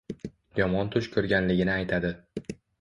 Yomon tush ko‘rganligini aytadi.